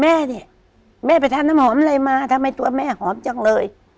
แม่เนี่ยแม่ไปทานน้ำหอมอะไรมาทำไมตัวแม่หอมจังเลย